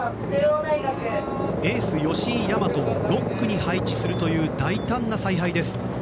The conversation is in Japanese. エース、吉居大和を６区に配置するという大胆な采配です。